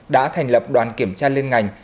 đã thành lập đoàn kiểm tra lên ngành